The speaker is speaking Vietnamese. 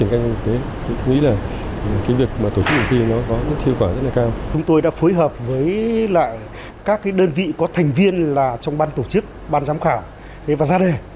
chúng tôi đã phối hợp với các đơn vị có thành viên trong ban tổ chức ban giám khảo và ra đề